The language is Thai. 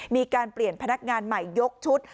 มีการเปลี่ยนพนักงานใหม่ยกชุด